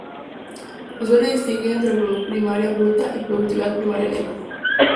Se suele distinguir entre productividad primaria bruta y productividad primaria neta.